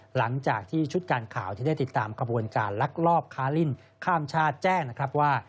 หลังจากที่ชุดการข่าวที่ได้ติดตามขบวนการลักลอบค้าลิ่นข้ามชาติแจ้งนะครับว่า